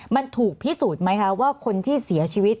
มันถูกพิสูจน์ไหมคะว่าคนที่เสียชีวิต